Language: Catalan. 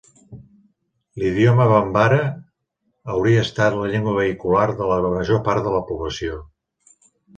L'idioma bambara hauria estat la llengua vehicular de la major part de la població.